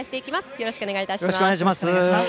よろしくお願いします。